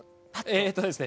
えっとですね